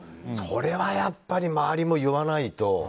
それはやっぱり周りも言わないと。